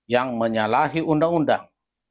yang menyalahi undang undang